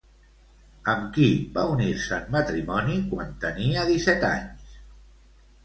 Amb qui va unir-se en matrimoni quan tenia disset anys?